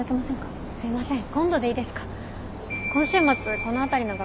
あっすいません。